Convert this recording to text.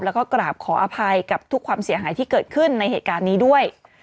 แล้วก็กราบขออภัยกับทุกความเสียหายที่เกิดขึ้นในเหตุการณ์นี้ด้วย